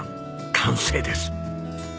完成です。